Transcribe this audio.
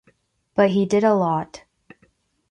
But he did a lot.